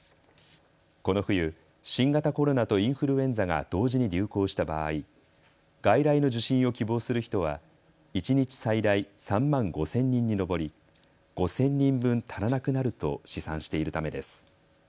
この冬、新型コロナとインフルエンザが同時に流行した場合、外来の受診を希望する人は一日最大３万５０００人に上り５０００人分、足らなくなると試算しているためです。